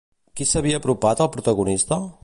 Qui s'havia apropat al protagonista?